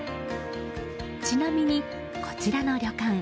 ちなみに、こちらの旅館